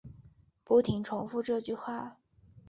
不停重复这句话